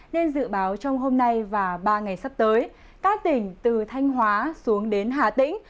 nên dự báo trong hôm nay và ba ngày sắp tới các tỉnh từ thanh hóa xuống đến hà tĩnh